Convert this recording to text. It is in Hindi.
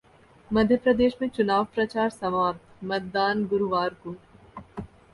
मध्यप्रदेश में चुनाव प्रचार समाप्त, मतदान गुरुवार को